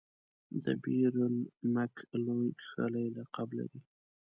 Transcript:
دبیر المک لوی کښلی لقب لري.